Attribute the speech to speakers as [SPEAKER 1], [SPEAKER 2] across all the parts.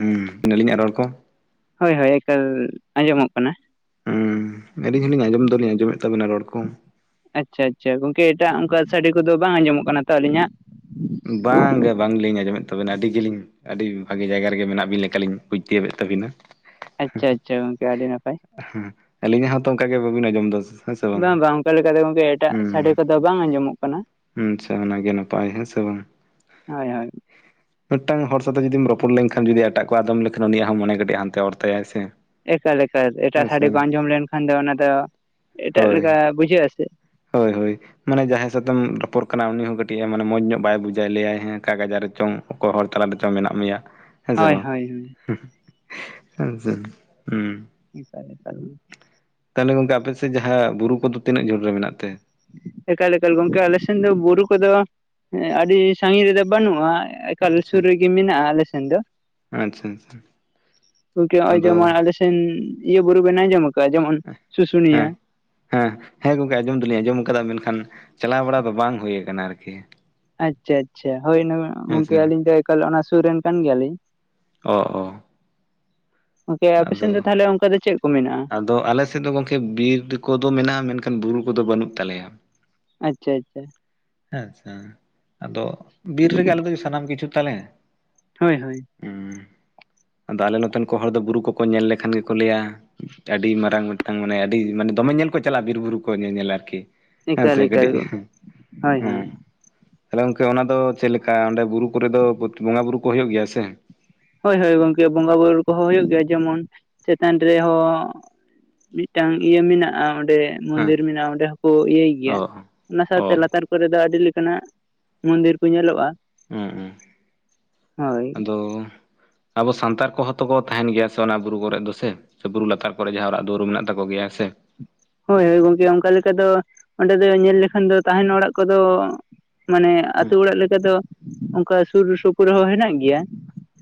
[SPEAKER 1] ᱦᱩᱸ ᱟᱹᱞᱤᱧᱟᱜ ᱨᱚᱲ ᱠᱚ
[SPEAKER 2] ᱦᱚᱭ-ᱦᱚᱭ ᱮᱠᱟᱞ ᱟᱸᱡᱚᱢᱚᱜ ᱠᱟᱱᱟ
[SPEAKER 1] ᱦᱚᱸ ᱟᱹᱞᱤᱧ ᱦᱚᱸᱞᱤᱧ ᱟᱸᱡᱚᱢ ᱫᱚᱞᱤᱧ ᱟᱸᱡᱚᱢᱮᱫ ᱛᱟᱵᱮᱱᱟ ᱨᱚᱲ ᱠᱚ
[SPEAKER 2] ᱟᱪᱷᱟ-ᱟᱪᱷᱟ ᱜᱚᱝᱠᱮ ᱮᱴᱟᱜ ᱚᱱᱠᱟ ᱥᱟᱰᱮ ᱠᱚᱫᱚ ᱵᱟᱝ ᱟᱸᱡᱚᱢᱚᱜ ᱠᱟᱱᱟ ᱛᱚ ᱟᱹᱞᱤᱧᱟᱜ
[SPEAKER 1] ᱵᱟᱝ ᱜᱮ ᱵᱟᱝ ᱞᱤᱧ ᱟᱸᱡᱚᱢᱮᱫ ᱛᱟᱵᱮ-ᱱᱟ ᱟᱹᱰᱤ ᱜᱮᱞᱤᱧ ᱟᱹᱰᱤ ᱵᱷᱟᱜᱤ ᱡᱟᱭᱜᱟ ᱨᱮᱜᱮ ᱢᱮᱱᱟᱜ ᱵᱤᱱ ᱞᱮᱠᱟ ᱞᱤᱧ ᱵᱩᱡᱽ ᱠᱮᱫ ᱛᱟᱹᱵᱤᱱᱟ
[SPEAKER 2] ᱟᱪᱷᱟ-ᱟᱪᱷᱟ ᱜᱚᱝᱠᱮ ᱟᱹᱰᱤ ᱱᱟᱯᱟᱭ
[SPEAKER 1] ᱦᱚᱸ ᱟᱹᱞᱤᱧ-ᱟᱜ ᱦᱚᱸᱛᱚ ᱚᱝᱠᱟ ᱜᱮ ᱵᱟᱵᱤᱱ ᱟᱸᱡᱚᱢ ᱫᱟ
[SPEAKER 2] ᱵᱟᱝ -ᱵᱟᱝ ᱚᱝᱠᱟ ᱞᱮᱠᱟ ᱫᱚ ᱜᱚᱝᱠᱮ ᱮᱴᱟᱜ ᱥᱟᱸᱰᱮ ᱠᱚᱫᱚ ᱵᱟᱝ ᱟᱸᱡᱚᱢᱚᱜ ᱠᱟᱱᱟ
[SPEAKER 1] ᱦᱚᱸ ᱟᱪᱷᱟ ᱚᱱᱟ ᱜᱮ ᱱᱟᱯᱟᱭ ᱦᱮᱸ ᱥᱮ ᱵᱟᱝ
[SPEAKER 2] ᱦᱚᱭ-ᱦᱚᱭ
[SPEAKER 1] ᱢᱤᱫᱴᱟᱝ ᱦᱚᱲ ᱥᱟᱛᱮ ᱡᱩᱫᱤᱢ ᱨᱚᱯᱚᱲ ᱞᱮᱱᱠᱷᱟᱱ ᱡᱩᱫᱤ ᱮᱴᱟᱜ ᱟᱫᱚᱢ ᱞᱮᱠᱷᱟᱱ ᱩᱱᱤᱭᱟᱜ ᱦᱚᱸ ᱢᱚᱱᱮ ᱠᱟᱹᱴᱤᱡ ᱦᱟᱱᱛᱮ ᱚᱨ ᱛᱟᱭᱟᱭ ᱦᱮᱸ ᱥᱮ
[SPEAKER 2] ᱮᱠᱟᱞ-ᱮᱠᱟᱞ ᱮᱴᱟᱜ ᱥᱟᱰᱮ ᱠᱚ ᱟᱸᱡᱚᱢ ᱞᱮᱱ ᱠᱷᱟᱱ ᱫᱚ ᱚᱱᱟ ᱫᱚ ᱮᱴᱟᱜ ᱞᱮᱠᱟ ᱵᱩᱡᱷᱟᱹᱜ-ᱟ ᱥᱮ
[SPEAKER 1] ᱦᱚᱭ-ᱦᱚᱭ ᱢᱟᱱᱮ ᱡᱟᱦᱟᱸᱭ ᱥᱟᱛ ᱮᱢ ᱨᱚᱯᱚᱲ ᱠᱟᱱᱟ ᱩᱱᱤ ᱦᱚᱸ ᱠᱟᱹᱴᱤᱡ ᱢᱚᱸᱡᱽ ᱧᱚᱜ ᱵᱟᱭ ᱵᱩᱡᱷᱟᱹᱣᱟ ᱞᱟᱹᱭᱼᱟᱭ ᱦᱮᱸ ᱚᱠᱟ ᱜᱟᱸᱡᱟᱲ ᱨᱮ ᱪᱚᱝ ᱚᱠᱚᱭ ᱦᱚᱲ ᱛᱟᱞᱟ ᱨᱮ ᱪᱚᱝ ᱢᱮᱱᱟᱜ ᱢᱮᱭ-ᱟ ᱦᱮᱸ ᱥᱮ
[SPEAKER 2] ᱦᱳᱭ
[SPEAKER 1] ᱵᱟᱝ
[SPEAKER 2] ᱦᱳᱭ ᱦᱳᱭ ᱪᱮᱫ ᱦᱚᱸ ᱵᱟᱝ ᱟᱸᱡᱚᱢᱚᱜ ᱠᱟᱱᱟ
[SPEAKER 1] ᱛᱟᱦᱚᱞᱮ ᱜᱚᱝᱠᱮ ᱟᱯᱮ ᱥᱮᱫ ᱡᱟᱦᱟᱸ ᱵᱩᱨᱩ ᱠᱚᱫᱚ ᱛᱤᱱᱟᱹᱜ ᱡᱷᱟ. ᱞ ᱨᱮ ᱢᱮᱱᱟᱜ ᱛᱮ
[SPEAKER 2] ᱮᱠᱟᱞ-ᱮᱠᱟᱞ ᱜᱚᱝᱠᱮ ᱟᱞᱮ ᱥᱮᱱ ᱫᱚ ᱵᱩᱨᱩ ᱠᱚᱫᱚ ᱟᱹᱰᱤ ᱥᱟᱺᱜᱤᱧ ᱨᱮ ᱫᱚ ᱵᱟᱹᱱᱩᱜᱼᱟ᱾ ᱮᱠᱟᱞ ᱥᱩᱨ ᱨᱮᱜᱮ ᱢᱮᱱᱟᱜᱼᱟ ᱟᱞᱮ ᱥᱮᱱ ᱫᱚ
[SPEAKER 1] ᱟᱪᱷᱟ
[SPEAKER 2] ᱜᱚᱝᱠᱮ ᱱᱚᱜ-ᱚᱭ ᱡᱮᱢᱚᱱ ᱟᱞᱮ ᱥᱮᱱ ᱤᱭᱟᱹ ᱵᱩᱨᱩ ᱵᱮᱱ ᱟᱸᱡᱚᱢ ᱟᱠᱟᱜᱼᱟ, ᱡᱮᱢᱚᱱ ᱥᱩᱥᱩᱱᱤᱭᱟᱹ
[SPEAKER 1] ᱦᱮᱸᱻ ᱦᱮᱸ ᱜᱚᱝᱠᱮ ᱟᱸᱡᱚᱢ ᱫᱚ ᱞᱤᱧ ᱟᱸᱡᱚᱢ ᱟᱠᱟᱫᱟ ᱢᱮᱱᱠᱷᱟᱱ ᱪᱟᱞᱟᱣ ᱵᱟᱲᱟ ᱫᱚ ᱵᱟᱝ ᱦᱩᱭᱩ ᱟᱨ ᱠᱤ
[SPEAKER 2] ᱟᱪᱷᱟ-ᱟᱪᱷᱟ ᱦᱚᱭ
[SPEAKER 1] ᱦᱮᱸᱥᱮ
[SPEAKER 2] ᱜᱚᱝᱠᱮ ᱟᱹᱞᱤᱧ ᱫᱚ ᱮᱠᱟᱞ ᱚᱱᱟ ᱥᱩᱨ ᱨᱮᱱ ᱠᱟᱱ ᱜᱮᱭ-ᱟ ᱞᱤᱧ
[SPEAKER 1] ᱚ-ᱚ
[SPEAKER 2] ᱜᱚᱝᱠᱮ ᱟᱯᱮ ᱥᱮᱱ ᱫᱚ ᱛᱟᱦᱞᱮ ᱚᱝᱠᱟ ᱫᱚ ᱪᱮᱫ ᱠᱚ ᱢᱮᱱᱟᱜᱼᱟ?
[SPEAKER 1] ᱟᱞᱮᱥᱮᱫ ᱫᱚ ᱜᱚᱝᱠᱮ ᱵᱤᱨ ᱠᱚᱫᱚ ᱢᱮᱱᱟᱜᱼᱟ ᱢᱮᱱᱠᱷᱟᱱ ᱵᱩᱨᱩ ᱠᱚᱫᱚ ᱵᱟᱹᱱᱩᱜ ᱛᱟᱞᱮᱭᱟ᱾
[SPEAKER 2] ᱟᱪᱷᱟ-ᱟᱪᱷᱟ
[SPEAKER 1] ᱟᱫᱚ ᱵᱤᱨ ᱨᱮᱜᱮ ᱟᱞᱮ ᱫᱚ ᱥᱟᱱᱟᱢ ᱠᱤᱪᱷᱩ ᱛᱟᱞᱮ
[SPEAKER 2] ᱦᱚᱭ-ᱦᱚᱭ
[SPEAKER 1] ᱦᱩᱸ ᱟᱫᱚ ᱟᱞᱮ ᱱᱚᱛᱮᱱ ᱠᱚ ᱦᱚᱲ ᱫᱚ ᱵᱩᱨᱩ ᱠᱚᱠᱚ ᱧᱮᱞ ᱞᱮᱠᱷᱟᱱ ᱜᱮᱠᱚ ᱞᱟᱹᱭᱟ ᱟᱹᱰᱤ ᱢᱟᱨᱟᱝ ᱢᱤᱫ ᱴᱟᱝ ᱢᱟᱱᱮ ᱟᱹᱰᱤ ᱢᱟᱱᱮ ᱫᱚᱢᱮ ᱧᱮᱞ ᱠᱚ ᱪᱟᱞᱟᱜᱼᱟ ᱵᱤᱨ ᱵᱩᱨᱩ ᱠᱚ ᱧᱮᱧᱮᱞ ᱟᱨ ᱠᱤ ᱦᱮᱸ
[SPEAKER 2] ᱮᱠᱟᱞ
[SPEAKER 1] ᱥᱮ
[SPEAKER 2] ᱮᱠᱟᱞ
[SPEAKER 1] ᱠᱟᱹᱴᱤᱡ
[SPEAKER 2] ᱦᱳᱭ ᱦᱳᱭ
[SPEAKER 1] ᱛᱟᱞᱦᱮ ᱜᱚᱝᱠᱮ ᱚᱱᱟ ᱫᱚ ᱪᱮᱫ ᱞᱮᱠᱟ ᱚᱸᱰᱮ ᱵᱩᱨᱩ ᱠᱚᱨᱮ ᱫᱚ ᱵᱚᱸᱜᱟ ᱵᱩᱨᱩ ᱠᱚ ᱦᱳᱭᱳᱜ ᱜᱮᱭ-ᱟ ᱥᱮ
[SPEAKER 2] ᱦᱳᱭ ᱦᱳᱭ ᱜᱚᱝᱠᱮ ᱵᱚᱸᱜᱟ ᱵᱩᱨᱩ ᱠᱚ ᱦᱚᱸ ᱦᱳᱭᱳᱜ ᱜᱮᱭᱼᱟ ᱡᱮ ᱢᱚᱱ ᱪᱮᱛᱟᱱ ᱨᱮ ᱦᱚᱸ ᱢᱤᱫ ᱴᱟᱝ ᱤᱭᱟᱹ ᱢᱮᱱᱟᱜᱼᱟ ᱚᱸᱰᱮ [unintelligible]
[SPEAKER 1] ᱦᱮᱸ
[SPEAKER 2] ᱢᱚᱸᱱᱫᱤᱨ ᱢᱮᱱᱟᱜᱼᱟ ᱚᱸᱰᱮ ᱦᱚᱸᱠᱚ ᱤᱭᱟᱹᱭ
[SPEAKER 1] ᱚ
[SPEAKER 2] ᱜᱮᱭ-ᱟ ᱚᱱᱟ ᱥᱟᱶ
[SPEAKER 1] ᱚ
[SPEAKER 2] ᱛᱮ ᱞᱟᱛᱟᱨ ᱠᱚ ᱨᱮ ᱫᱚ ᱟᱹᱰᱤ ᱞᱮᱠᱟᱱᱼᱟᱜ ᱢᱚᱸᱱᱫᱤᱨ ᱠᱚ ᱧᱮᱞᱚᱜᱼᱟ
[SPEAKER 1] [unintelligible]
[SPEAKER 2] ᱦᱳᱭ
[SPEAKER 1] ᱟᱫᱚ ᱟᱵᱚ ᱥᱟᱱᱛᱟᱲ ᱠᱚ ᱦᱚᱸ ᱛᱚ ᱠᱚ ᱛᱟᱦᱮᱱ ᱜᱮᱭ-ᱟ ᱥᱮ ᱚᱱᱟ ᱵᱩᱨᱩ ᱠᱚ ᱨᱮᱫ ᱫᱚ ᱥᱮ ᱵᱩᱨᱩ ᱞᱟᱛᱟᱨ ᱠᱚᱨᱮ ᱡᱟᱸᱦᱟ ᱚᱲᱟᱜ ᱫᱩᱣᱟᱹᱨ ᱢᱮᱱᱟᱜ ᱛᱟᱠᱚ ᱜᱮᱭ-ᱟ ᱥᱮ
[SPEAKER 2] ᱦᱳᱭ ᱦᱳᱭ ᱜᱚᱝᱠᱮ ᱚᱝᱠᱟ ᱞᱮᱠᱟ ᱫᱚ ᱚᱸᱰᱮ ᱫᱚ ᱧᱮᱞ ᱞᱮᱠᱷᱟᱱ ᱫᱚ ᱛᱟᱦᱮᱱ ᱚᱲᱟᱜ ᱠᱚᱫᱚ ᱢᱟᱱᱮ ᱟᱹᱛᱳ
[SPEAKER 1] ᱦᱩᱸ
[SPEAKER 2] ᱚᱲᱟᱜ ᱞᱮᱠᱟ ᱫᱚ ᱚᱝᱠᱟ ᱥᱩᱨ ᱥᱩᱯᱩᱨ ᱦᱚᱸ ᱦᱮᱱᱟᱜ ᱜᱮᱭ-ᱟ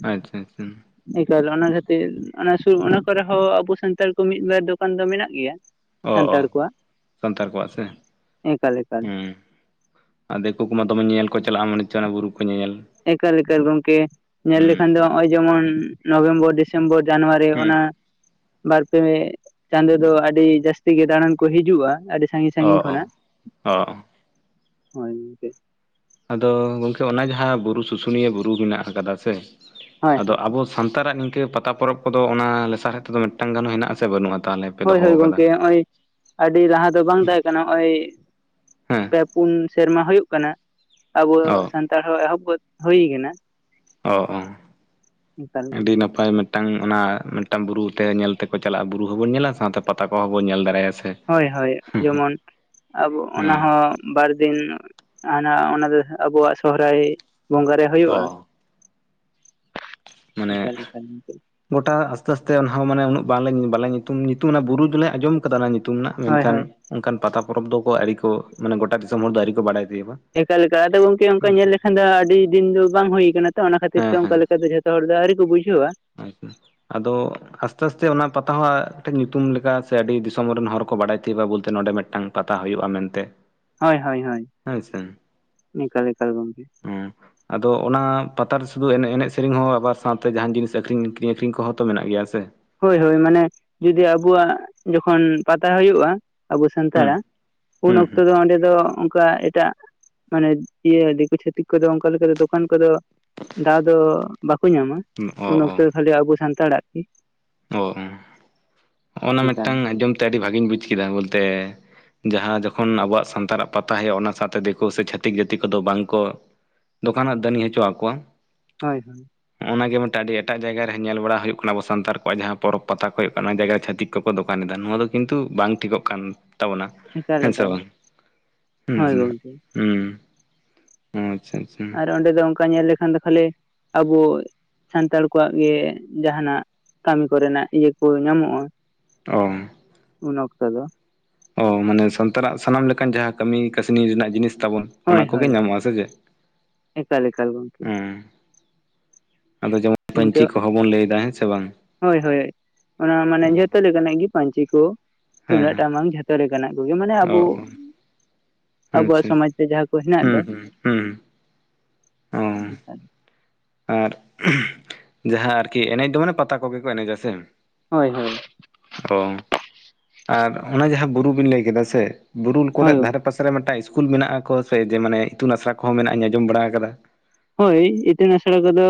[SPEAKER 1] ᱟᱪᱪᱷᱟ ᱟᱪᱪᱷᱟ
[SPEAKER 2] ᱮᱠᱟᱞ ᱚᱱᱟ ᱠᱷᱟᱹᱛᱤᱨ ᱚᱱᱟ ᱥᱩᱨ ᱚᱱᱟ ᱠᱚᱨᱮ ᱦᱚᱸ ᱟᱵᱚ ᱥᱟᱱᱛᱟᱲ ᱠᱚ ᱢᱤᱫ ᱵᱟᱨ ᱫᱚᱠᱟᱱ ᱫᱚ ᱢᱮᱱᱟᱜ ᱜᱮᱭ-ᱟ
[SPEAKER 1] ᱚ ᱚ
[SPEAKER 2] ᱥᱟᱱᱛᱟᱲ ᱠᱚᱣᱟᱜ
[SPEAKER 1] ᱥᱟᱱᱛᱟᱲ ᱠᱚᱣᱟᱜ ᱥᱮ
[SPEAKER 2] ᱮᱠᱟᱞ ᱮᱠᱟᱞ
[SPEAKER 1] ᱦᱮᱸ ᱟᱨ ᱫᱤᱠᱩ ᱫᱚᱢᱮ ᱧᱮᱞ ᱠᱚ ᱪᱟᱞᱟᱜᱼᱟ [unintelligible] ᱚᱱᱟ ᱵᱩᱨᱩ ᱠᱚ ᱧᱮ ᱧᱮᱞ
[SPEAKER 2] ᱮᱠᱟᱞ ᱮᱠᱟᱞ ᱜᱚᱝᱠᱮ ᱧᱮᱞ ᱞᱮᱠᱷᱟᱱ ᱫᱚ ᱱᱚᱜ-ᱚᱭ ᱡᱮ ᱢᱚᱱ ᱱᱚᱵᱷᱮᱢᱵᱚᱨ ᱰᱤᱥᱮᱢᱵᱚᱨ ᱡᱟᱱᱩᱣᱟᱨᱤ
[SPEAKER 1] ᱦᱩᱸ
[SPEAKER 2] ᱚᱱᱟ ᱵᱟᱨ ᱯᱮ ᱪᱟᱸᱫᱳ ᱫᱚ ᱟᱹᱰᱤ ᱡᱟᱹᱥᱛᱤ ᱜᱮ ᱫᱟᱲᱟᱱ ᱠᱚ ᱦᱤᱡᱩᱜᱼᱟ ᱟᱹᱰᱤ ᱥᱟᱺᱜᱤᱧ
[SPEAKER 1] ᱚ
[SPEAKER 2] ᱥᱟᱺᱜᱤᱧ
[SPEAKER 1] ᱚ
[SPEAKER 2] ᱠᱷᱚᱱᱟᱜ
[SPEAKER 1] ᱚ
[SPEAKER 2] [unintelligible]
[SPEAKER 1] ᱟᱫᱚ ᱜᱚᱝᱠᱮ ᱚᱱᱟ ᱡᱟᱦᱟᱸ ᱵᱩᱨᱩ ᱥᱩᱥᱩᱱᱤᱭᱟᱹ ᱵᱩᱨᱩ ᱢᱮᱱᱟᱜ ᱟᱠᱟᱫᱟ ᱥᱮ
[SPEAKER 2] ᱦᱳᱭ
[SPEAKER 1] ᱟᱫᱚ
[SPEAKER 2] ᱦᱳᱭ
[SPEAKER 1] ᱟᱵᱚ ᱥᱟᱱᱛᱟᱲ-ᱟᱜ ᱱᱤᱝᱠᱟᱹ ᱯᱟᱛᱟ ᱯᱚᱨᱚᱵᱽ ᱠᱚᱫᱚ ᱚᱱᱟ ᱞᱟᱥᱟᱨ ᱦᱮᱫ ᱛᱮ ᱫᱚ ᱢᱤᱫ ᱴᱟᱝ ᱜᱟᱱ ᱦᱚᱸ ᱦᱮᱱᱟᱜᱼᱟ ᱥᱮ ᱵᱟᱹᱱᱩᱜᱼᱟ ᱛᱟᱦᱞᱮ
[SPEAKER 2] ᱦᱳᱭ ᱦᱳᱭ ᱜᱚᱝᱠᱮ ᱱᱚᱜ-ᱚᱭ ᱟᱹᱰᱤ ᱞᱟᱦᱟ ᱫᱚ ᱵᱟᱝ ᱛᱟᱦᱮᱸ ᱠᱟᱱᱟ ᱱᱚᱜ-ᱚᱭ
[SPEAKER 1] ᱦᱮᱸ
[SPEAKER 2] [unintelligible] ᱯᱩᱱ ᱥᱮᱨᱢᱟ ᱦᱩᱭᱩᱜ ᱠᱟᱱᱟ ᱟᱵᱚ
[SPEAKER 1] ᱚ
[SPEAKER 2] ᱥᱟᱱᱛᱟᱲ ᱦᱚᱸ ᱮᱦᱚᱵ ᱦᱩᱭ ᱠᱟᱱᱟ᱾
[SPEAKER 1] ᱚ ᱚ
[SPEAKER 2] ᱮᱠᱟᱞ
[SPEAKER 1] ᱟᱹᱰᱤ
[SPEAKER 2] ᱜᱚᱝᱠᱮ
[SPEAKER 1] ᱱᱟᱯᱟᱭ ᱢᱤᱫ ᱢᱤᱫᱴᱟᱝ ᱚᱱᱟ ᱢᱤᱫᱴᱟᱝ ᱵᱩᱨᱩ ᱛᱮ ᱧᱮᱞ ᱛᱮᱠᱚ ᱪᱟᱞᱟᱜᱼᱟ ᱵᱩᱨᱩ ᱦᱚᱸᱵᱚᱱ ᱧᱮᱞᱟ ᱥᱟᱶᱛᱮ ᱯᱟᱛᱟ ᱠᱚᱦᱚᱸᱵᱚᱱ ᱧᱮᱞ ᱫᱟᱨᱟᱭᱟ ᱥᱮ᱾
[SPEAKER 2] ᱦᱳᱭ ᱦᱳᱭ ᱡᱮᱢᱚᱱ ᱟᱵᱚ ᱚᱱᱟ
[SPEAKER 1] ᱦᱮᱸ
[SPEAKER 2] ᱦᱚᱸ ᱵᱟᱨᱫᱤᱱ ᱦᱟᱱᱟ ᱚᱱᱟ ᱫᱚ ᱟᱵᱩᱣᱟᱜ ᱥᱚᱦᱨᱟᱭ ᱵᱚᱸᱜᱟ ᱨᱮ
[SPEAKER 1] ᱚ
[SPEAKER 2] ᱦᱩᱭᱩᱜᱼᱟ᱾
[SPEAKER 1] ᱢᱟᱱᱮ
[SPEAKER 2] ᱮᱠᱟᱞ ᱮᱠᱟᱞ ᱜᱚᱝᱠᱮ
[SPEAKER 1] ᱜᱚᱴᱟ ᱟᱥᱛᱮ ᱟᱥᱛᱮ ᱚᱱᱟᱦ ᱦᱚᱸ ᱢᱟᱱᱮ ᱩᱱᱟᱹᱜ ᱵᱟᱝᱞᱮ ᱵᱟᱞᱮ ᱧᱩᱛᱩᱢ ᱧᱩᱛᱩᱢ ᱚᱱᱟ ᱵᱩᱨᱩ ᱫᱚᱞᱮ ᱟᱸᱡᱚᱢ ᱚᱱᱟ ᱧᱩᱛᱩᱢ ᱨᱮᱱᱟᱜ
[SPEAKER 2] ᱦᱳᱭ
[SPEAKER 1] ᱢᱮᱱᱠᱷᱟᱱ
[SPEAKER 2] ᱦᱳᱭ
[SPEAKER 1] ᱚᱱᱠᱟᱱ ᱯᱟᱛᱟ ᱯᱚᱨᱚᱵᱽ ᱫᱚᱠᱚ ᱟᱹᱨᱤ ᱠᱚ ᱢᱟᱱᱮ ᱜᱚᱴᱟ ᱫᱤᱥᱚᱢ ᱦᱚᱲ ᱫᱚ ᱟᱹᱣᱨᱤ ᱠᱚ ᱵᱟᱲᱟᱭ ᱛᱤᱭᱳᱜᱟ᱾
[SPEAKER 2] ᱮᱠᱟᱮᱠᱟ ᱟᱫᱚ ᱜᱚᱝᱠᱮ ᱚᱱᱠᱟ
[SPEAKER 1] ᱦᱮᱸ ᱥᱮ
[SPEAKER 2] ᱧᱮᱞ ᱞᱮᱠᱷᱟᱱ ᱫᱚ ᱟᱹᱰᱤ ᱫᱤᱱ ᱫᱚ ᱵᱟᱝ ᱦᱩᱭ ᱟᱠᱟᱱᱟ ᱛᱚ ᱚᱱᱟ ᱠᱷᱟᱹᱛᱤᱨ
[SPEAKER 1] ᱦᱮᱸ
[SPEAKER 2] ᱛᱮ
[SPEAKER 1] ᱦᱮᱸ
[SPEAKER 2] ᱚᱱᱠᱟ ᱞᱮᱠᱟ ᱡᱟᱦᱳᱜ ᱡᱚᱛᱚ ᱦᱚᱲ ᱫᱚ ᱟᱹᱣᱨᱤ ᱠᱚ ᱵᱩᱡᱷᱟᱹᱣᱟ᱾
[SPEAKER 1] ᱟᱪᱪᱷᱟ [unintelligible] ᱟᱫᱚ ᱟᱸᱥ ᱛᱮ ᱟᱸᱥ ᱛᱮ ᱚᱱᱟ ᱯᱟᱛᱟ ᱦᱚᱸ ᱧᱩᱛᱩᱢ ᱞᱮᱠᱟ ᱥᱮ ᱟᱹᱰᱤ ᱫᱤᱥᱚᱢ ᱨᱮᱱ ᱦᱚᱲ ᱠᱚ ᱵᱟᱰᱟᱭ ᱛᱮᱭᱳᱜᱼᱟ ᱵᱚᱞ ᱛᱮ ᱱᱚᱰᱮ ᱢᱤᱫ ᱴᱟᱝ ᱯᱟᱛᱟ ᱦᱳᱭᱳᱜᱼᱟ ᱢᱮᱱ ᱛᱮ
[SPEAKER 2] ᱦᱳᱭ ᱦᱳᱭ ᱦᱳᱭ ᱮᱠᱟᱞ ᱮᱠᱟᱞ ᱜᱚᱝᱠᱮ
[SPEAKER 1] ᱦᱚᱸ ᱟᱫᱚ ᱚᱱᱟ ᱯᱟᱛᱟᱨ ᱨᱮ ᱥᱩᱫᱩ ᱮᱱ ᱮᱱᱮᱡ ᱥᱮᱨᱮᱧ ᱦᱚᱸ ᱟᱵᱟᱨ ᱥᱟᱶᱛᱮ ᱡᱟᱦᱟᱱ ᱡᱤᱱᱤᱥ ᱥᱮᱠᱷᱨᱤᱧᱠᱷᱨᱤᱧ [unintelligible] ᱟᱹᱠᱷᱨᱤ ᱠᱚᱦᱚᱸᱛᱚ ᱢᱮᱱᱟᱜ ᱜᱮᱭᱟ ᱥᱮ
[SPEAKER 2] ᱦᱳᱭ ᱦᱳᱭ ᱢᱟᱱᱮ ᱡᱩᱫᱤ ᱟᱵᱚᱣᱟᱜ ᱡᱚᱠᱷᱚᱱ ᱯᱟᱛᱟ ᱦᱩᱭᱩᱜᱼᱟ ᱟᱵᱚ
[SPEAKER 1] ᱦᱩᱸ
[SPEAKER 2] ᱥᱟᱱᱛᱟᱲᱟᱜ ᱩᱱ
[SPEAKER 1] ᱦᱩᱸ
[SPEAKER 2] ᱚᱠᱛᱚ ᱫᱚ
[SPEAKER 1] ᱦᱩᱸ
[SPEAKER 2] ᱚᱸᱰᱮ ᱫᱚ ᱚᱱᱠᱟ ᱮᱴᱟᱜ ᱢᱟᱱᱮ ᱤᱭᱟᱹ ᱫᱤᱠᱩ ᱪᱷᱟᱛᱤᱠ ᱠᱚᱫᱚ ᱚᱱᱠᱟ ᱞᱮᱠᱟ ᱫᱚᱠᱟᱱ ᱠᱚᱫᱚ ᱫᱟᱣ ᱫᱚ ᱵᱟᱠᱚ ᱧᱟᱢᱟ
[SPEAKER 1] ᱚ
[SPEAKER 2] ᱩᱱ
[SPEAKER 1] ᱚ
[SPEAKER 2] ᱚᱠᱛᱚ ᱠᱷᱟᱹᱞᱤ ᱟᱵᱚ ᱥᱟᱱᱛᱟᱲᱟᱜ ᱜᱤ ᱾
[SPEAKER 1] ᱚ ᱦᱚᱜ ᱱᱟ
[SPEAKER 2] ᱮᱠᱟᱞ
[SPEAKER 1] ᱢᱤᱫᱴᱟᱝ ᱟᱸᱡᱚᱢ ᱛᱮ ᱟᱹᱰᱤ ᱵᱷᱟᱜᱮᱧ ᱵᱩᱡᱽ ᱠᱮᱫᱟ ᱵᱚᱞᱛᱮ ᱡᱟᱦᱟᱸ ᱡᱚᱠᱷᱚᱱ ᱟᱵᱚᱣᱟᱜ ᱥᱟᱱᱛᱟᱲᱟᱜ ᱯᱟᱛᱟ ᱦᱩᱭᱩᱜ ᱚᱱᱟ ᱥᱟᱶᱛᱮ ᱫᱤᱠᱩ ᱥᱮ ᱪᱷᱟᱹᱛᱤᱠ ᱡᱟᱹᱛᱤ ᱠᱚᱫᱚ ᱵᱟᱝ ᱠᱚ ᱫᱚᱠᱟᱱᱟᱜ ᱫᱟᱹᱱᱤᱧ ᱦᱚᱪᱚ ᱟᱠᱚᱣᱟ᱾
[SPEAKER 2] ᱦᱳᱭ ᱦᱳᱭ
[SPEAKER 1] ᱚᱱᱟᱜᱮ ᱢᱤᱫᱴᱟᱝ ᱟᱹᱰᱤ ᱮᱴᱟᱜ ᱡᱟᱭᱜᱟ ᱨᱮ ᱧᱮᱞ ᱵᱟᱲᱟ ᱦᱩᱭᱩᱜ ᱠᱟᱱᱟ ᱟᱵᱚ ᱥᱟᱱᱛᱟᱲ ᱱᱚᱣᱟ ᱡᱟᱦᱟᱸ ᱯᱚᱨᱚᱵᱽ ᱯᱟᱛᱟ ᱠᱚ ᱦᱩᱭᱩᱜ ᱠᱟᱱᱟ ᱚᱱᱟ ᱡᱟᱭᱜᱟ ᱨᱮ ᱪᱷᱟᱹᱛᱤᱠ ᱠᱚᱠᱚ ᱫᱚᱠᱟᱱ ᱮᱫᱟ ᱱᱚᱣᱟ ᱫᱚ ᱠᱤᱱᱛᱩ ᱵᱟᱝ ᱴᱷᱤᱠᱚᱜ ᱠᱟᱱ ᱛᱟᱠᱣᱟ᱾ ᱛᱟᱵᱚᱱᱟ ᱾
[SPEAKER 2] ᱮᱠᱟᱞ
[SPEAKER 1] ᱦᱮᱸ ᱥᱮ
[SPEAKER 2] ᱮᱠᱟᱞ
[SPEAKER 1] ᱵᱟᱝ ᱦᱩᱸ
[SPEAKER 2] ᱦᱳᱭ
[SPEAKER 1] ᱦᱩᱸ
[SPEAKER 2] ᱜᱚᱝᱠᱮ
[SPEAKER 1] ᱦᱩᱸ ᱦᱩᱸ, ᱟᱪᱪᱷᱟ ᱟᱪᱪᱷᱟ,
[SPEAKER 2] ᱟᱨ ᱚᱸᱰᱮ ᱫᱚ ᱚᱱᱠᱟ ᱧᱮᱞ ᱞᱮᱠᱷᱟᱱ ᱫᱚ ᱠᱷᱟᱹᱞᱤ ᱟᱵᱚ ᱥᱟᱱᱛᱟᱲ ᱠᱚᱣᱟᱜ ᱜᱮ ᱡᱟᱦᱟᱱᱟᱜ ᱠᱟᱹᱢᱤ ᱠᱚᱨᱮᱱᱟᱜ ᱤᱭᱟᱹ ᱠᱚ ᱧᱟᱢᱚᱜᱼᱟ᱾
[SPEAKER 1] [unintelligible]
[SPEAKER 2] ᱩᱱ ᱚᱠᱛᱚ ᱫᱚ,
[SPEAKER 1] ᱢᱟᱱᱮ ᱥᱟᱱᱛᱟᱨᱟᱜ ᱥᱟᱱᱟᱢ ᱞᱮᱠᱟᱱ ᱡᱟᱦᱟᱸ ᱠᱟᱹᱢᱤ ᱠᱟᱹᱥᱱᱤ ᱨᱮᱱᱟᱜ ᱡᱤᱱᱤᱥ ᱛᱟᱵᱚᱱ, ᱚᱱᱟ
[SPEAKER 2] ᱦᱳᱭ
[SPEAKER 1] ᱠᱚᱜᱮ
[SPEAKER 2] ᱦᱳᱭ
[SPEAKER 1] ᱧᱟᱢᱚᱜ ᱟᱥᱮ ᱪᱮᱫ?
[SPEAKER 2] ᱮᱠᱟᱞ ᱮᱠᱟᱞ ᱜᱚᱝᱠᱮ
[SPEAKER 1] ᱚᱸᱻ ᱟᱫᱚ ᱡᱮᱢᱚᱱ ᱯᱟᱹᱧᱪᱤ
[SPEAKER 2] ᱤᱱᱠᱟᱹ
[SPEAKER 1] ᱠᱚᱦᱚᱸ ᱵᱚᱱ ᱞᱟᱹᱭᱫᱟ ᱦᱮᱸ ᱥᱮ ᱵᱟᱝ?
[SPEAKER 2] ᱦᱳᱭ ᱦᱳᱭ, ᱚᱱᱟ ᱢᱟᱱᱮ ᱡᱚᱛᱚ ᱞᱮᱠᱟᱱᱟᱜ ᱜᱮ ᱯᱟᱹᱧᱪᱤ ᱠᱚ,
[SPEAKER 1] ᱦᱮᱸ
[SPEAKER 2] ᱛᱩᱢᱫᱟᱹᱜ
[SPEAKER 1] ᱦᱮᱸ
[SPEAKER 2] ᱴᱟᱢᱟᱠ ᱡᱷᱚᱛᱚ ᱞᱮᱠᱟᱱᱟᱜ ᱠᱚᱜᱮ, ᱢᱟᱱᱮ ᱟᱵᱚ
[SPEAKER 1] ᱚ
[SPEAKER 2] ᱟᱵᱚᱣᱟᱜ
[SPEAKER 1] ᱟᱪᱪᱷᱟ
[SPEAKER 2] ᱥᱚᱢᱟᱡ ᱨᱮ ᱡᱟᱦᱟᱸ ᱠᱚ ᱦᱮᱱᱟᱜ ᱫᱚ,
[SPEAKER 1] ᱦᱩᱸ ᱦᱩᱸ ᱦᱩᱸ ᱚ
[SPEAKER 2] [inaudible]
[SPEAKER 1] ᱟᱨ ᱡᱟᱦᱟᱸ ᱟᱨᱠᱤ ᱮᱱᱮᱡ ᱫᱚ ᱢᱟᱱᱮ ᱯᱟᱛᱟ ᱠᱚᱜᱮ ᱠᱚ ᱮᱱᱮᱡᱟ ᱥᱮ?
[SPEAKER 2] ᱦᱳᱭ ᱦᱳᱭ
[SPEAKER 1] ᱚ ᱟᱨ ᱚᱱᱟ ᱡᱟᱦᱟᱸ ᱵᱩᱨᱩ ᱵᱤᱱ ᱞᱟᱹᱭ ᱠᱮᱫᱟ ᱥᱮ, ᱵᱩᱨᱩ ᱠᱚᱨᱮ
[SPEAKER 2] ᱦᱳᱭ
[SPEAKER 1] ᱫᱷᱟᱨᱮ ᱟᱰᱮ ᱯᱟᱥᱮ ᱨᱮ ᱢᱤᱫᱴᱟᱝ ᱤᱥᱠᱩᱞ ᱢᱮᱱᱟᱜ ᱠᱚ ᱥᱮ ᱡᱮ ᱢᱟᱱᱮ ᱤᱛᱩᱱ ᱟᱥᱲᱟ ᱠᱚᱦᱚᱸ ᱢᱮᱱᱟᱜᱼᱟ ᱟᱸᱡᱚᱢ ᱵᱟᱲᱟ ᱟᱠᱟᱫᱟ᱾
[SPEAKER 2] ᱦᱳᱭ ᱤᱛᱩᱱ ᱟᱥᱲᱟ ᱠᱚᱫᱚ,